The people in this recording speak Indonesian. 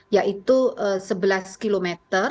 yaitu sebelas km